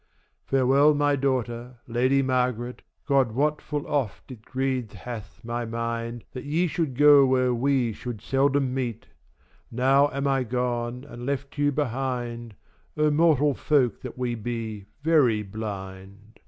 Farewell my daughter, Lady Margaret, God wot full oft it grieved hath my mind,9 That ye should go where we should seldom meet,10 Now am I gone and have left you behind. O mortal folk that we be, very blind!